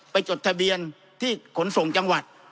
จดทะเบียนที่ขนส่งจังหวัด